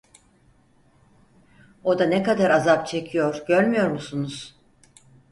O da ne kadar azap çekiyor görmüyor musunuz?